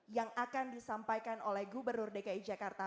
yang akan disampaikan oleh gubernur dki jakarta